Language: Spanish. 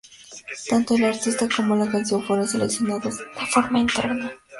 Tanto el artista como la canción fueron seleccionados de forma interna.